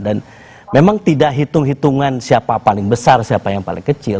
dan memang tidak hitung hitungan siapa paling besar siapa yang paling kecil